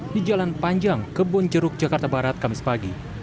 di jalan panjang kebun jeruk jakarta barat kamis pagi